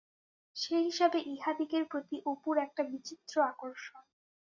সে হিসাবে ইহাদিগের প্রতি অপুর একটা বিচিত্র আকর্ষণ।